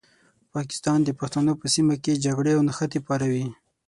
پاکستان د پښتنو په سیمه کې جګړې او نښتې پاروي.